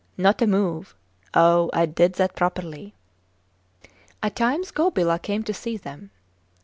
Not a move. Oh, I did that properly. At times Gobila came to see them.